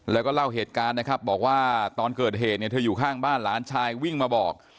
แล้วก็เดี๋ยวเริ่มเล่าเกิดเหตุเธออยู่ข้างบ้านหลานชายวิ่งมาบอก